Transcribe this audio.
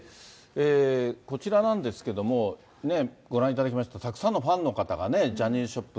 こちらなんですけども、ご覧いただきました、たくさんのファンの方がジャニーズショップ